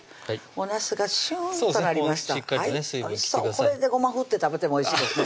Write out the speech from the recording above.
これでごま振って食べてもおいしいですね